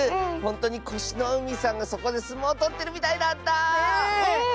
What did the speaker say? ほんとにこしのうみさんがそこですもうとってるみたいだった！